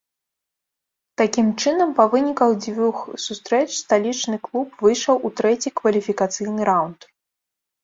Такім чынам, па выніках дзвюх сустрэч сталічны клуб выйшаў у трэці кваліфікацыйны раўнд.